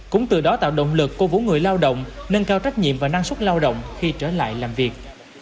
cũng từ đó tạo động lực cố vũ người lao động nâng cao trách nhiệm và năng suất lao động khi trở lại làm việc